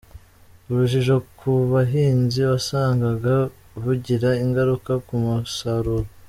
Urujijo ku bahinzi, wasangaga bugira ingaruka ku musaruro